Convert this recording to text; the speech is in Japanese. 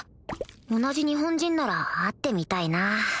同じ日本人なら会ってみたいな